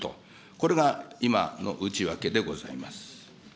これが今の内訳でございます。